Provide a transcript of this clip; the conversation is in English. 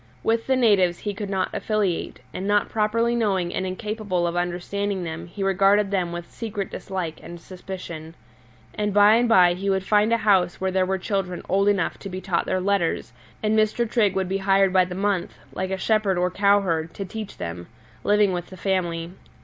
With the natives he could not affiliate, and not properly knowing and incapable of understanding them he regarded them with secret dislike and suspicion. And by and by he would find a house where there were children old enough to be taught their letters, and Mr. Trigg would be hired by the month, like a shepherd or cowherd, to teach them, living with the family.